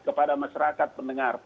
kepada masyarakat pendengar